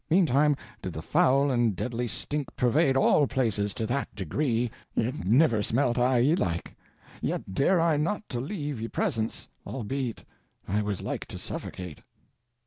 Meantime did the foul and deadly stink pervade all places to that degree, yt never smelt I ye like, yet dare I not to leave ye presence, albeit I was like to suffocate.